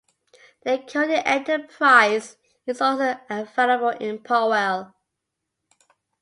The "Cody Enterprise" is also available in Powell.